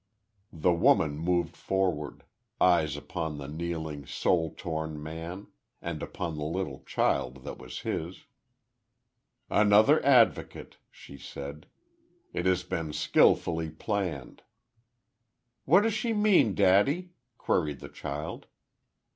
The woman moved forward, eyes upon the kneeling, soul torn man; and upon the little child that was his. "Another advocate!" she said. "It has been skilfully planned." "What does she mean, daddy?" queried the child.